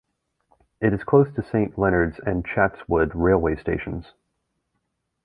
It is close to Saint Leonards and Chatswood railway stations.